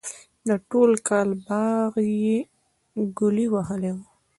د ټول کال باغ یې گلی ووهلو.